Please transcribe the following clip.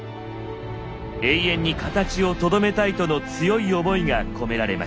永遠に形をとどめたいとの強い思いが込められました。